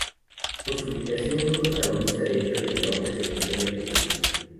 Por su ubicación fue protagonista de hechos relevantes en la Historia Argentina.